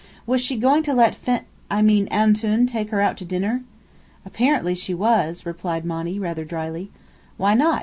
"Was she going to let Fe I mean 'Antoun,' take her out to dinner?" "Apparently she was," replied Monny, rather dryly. "Why not?"